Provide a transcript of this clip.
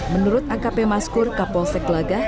menurut akp maskur kapolsek gelagah